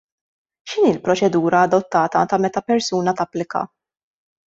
X'inhi l-proċedura adottata ta' meta persuna tapplika?